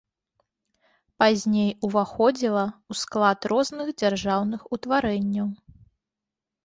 Пазней уваходзіла ў склад розных дзяржаўных утварэнняў.